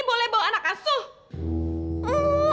boleh bawa anak asuh